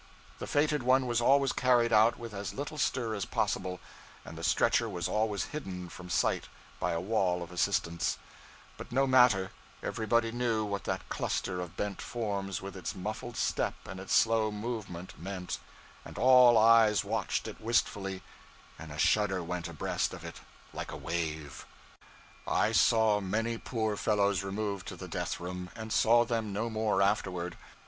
The fated one was always carried out with as little stir as possible, and the stretcher was always hidden from sight by a wall of assistants; but no matter: everybody knew what that cluster of bent forms, with its muffled step and its slow movement meant; and all eyes watched it wistfully, and a shudder went abreast of it like a wave. I saw many poor fellows removed to the 'death room,' and saw them no more afterward.